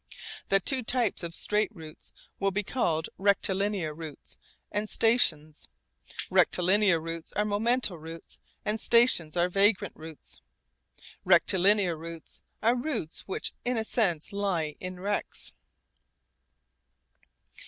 The two types of straight routes will be called rectilinear routes and stations. Rectilinear routes are momental routes and stations are vagrant routes. Rectilinear routes are routes which in a sense lie in rects.